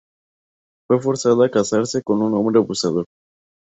Fue forzada a casarse con un hombre abusador.